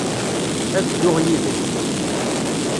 Ad dduɣ yid-k.